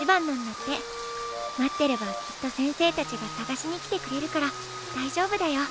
待ってればきっと先生たちがさがしに来てくれるからだいじょうぶだよ。